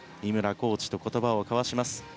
コーチと言葉を交わします。